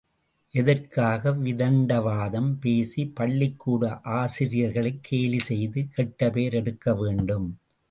எதற்காக விதண்டாவாதம் பேசி பள்ளிக்கூட ஆசிரியர்களைக் கேலி செய்து கெட்டபெயர் எடுக்க வேண்டும்?